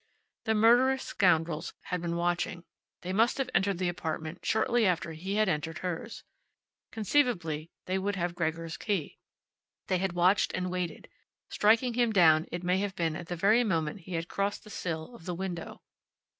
The murderous scoundrels had been watching. They must have entered the apartment shortly after he had entered hers. Conceivably they would have Gregor's key. And they had watched and waited, striking him down it may have been at the very moment he had crossed the sill of the window.